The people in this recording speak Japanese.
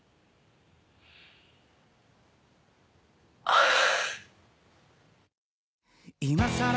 ああ。